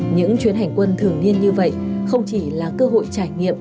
những chuyến hành quân thường niên như vậy không chỉ là cơ hội trải nghiệm